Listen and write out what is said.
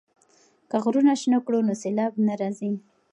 که غرونه شنه کړو نو سیلاب نه راځي.